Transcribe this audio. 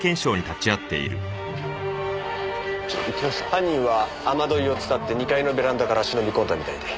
犯人は雨樋をつたって２階のベランダから忍び込んだみたいで。